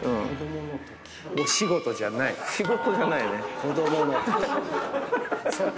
仕事じゃないね。